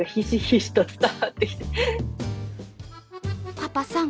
パパさん